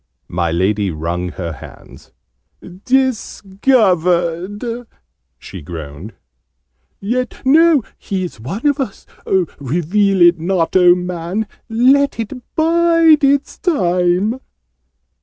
My Lady wrung her hands. "Discovered!" she groaned. "Yet no he is one of us! Reveal it not, oh Man! Let it bide its time!"